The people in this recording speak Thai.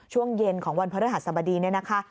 ช่วงเย็นของวันพระฤหัสบดีเนี่ยนะคะ